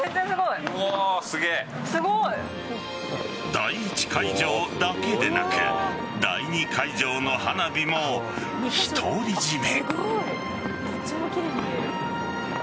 第１会場だけでなく第２会場の花火も独り占め。